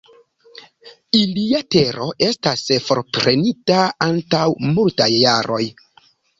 Ilia tero estas forprenita antaŭ multaj jaroj.